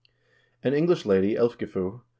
An English lady yElfgifu (N.